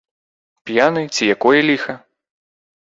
П'яны, ці якое ліха?